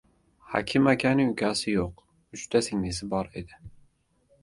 Hakim akaning ukasi yo‘q, uchta singlisi bor edi.